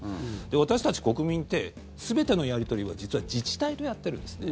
私たち国民って全てのやり取りは実は自治体とやってるんですね。